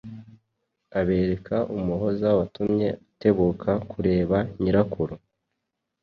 abereka Umuhoza watumye atebuka kureba nyirakuru